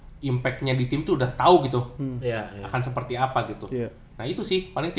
pengalaman dan impactnya di tim itu udah tahu gitu akan seperti apa gitu nah itu sih paling